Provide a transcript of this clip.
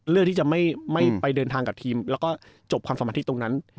เลือกที่จะไม่ไปเดินทางกับทีมแล้วก็จบความสมาธิตรงนั้น